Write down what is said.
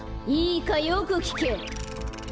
いいかよくきけ！